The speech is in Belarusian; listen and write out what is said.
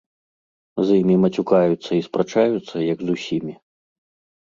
З імі мацюкаюцца і спрачаюцца, як з усімі.